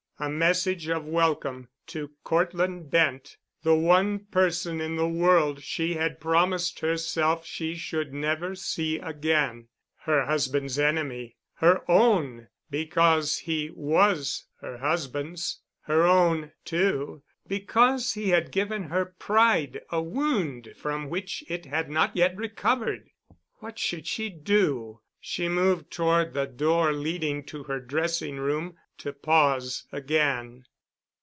A message of welcome to Cortland Bent, the one person in the world she had promised herself she should never see again; her husband's enemy, her own because he was her husband's; her own, too, because he had given her pride a wound from which it had not yet recovered! What should she do? She moved toward the door leading to her dressing room—to pause again.